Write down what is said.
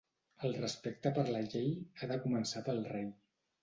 El respecte de la llei ha de començar pel rei.